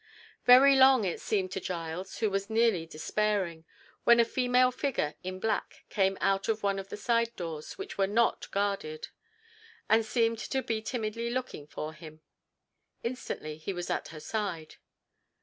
Very long it seemed to Giles, who was nearly despairing, when a female figure in black came out of one of the side doors, which were not guarded, and seemed to be timidly looking for him. Instantly he was at her side.